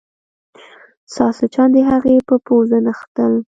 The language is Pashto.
ساسچن د هغې په پوزه نښتل.